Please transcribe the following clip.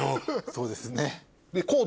そうですね。